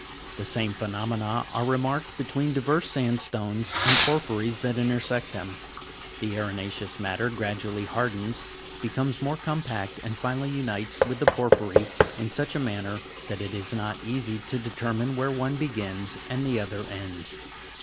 The same phenomena are remarked between diverse sandstones and por phyries that intersect them. The arena'ceous matter gradually hardens, becomes more compact, and finally unites with the porphyry in such a manner that it is not easy to determine where one begins or the other ends.